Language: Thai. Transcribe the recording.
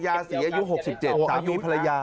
ยาศรีอายุ๖๗สามีภรรยา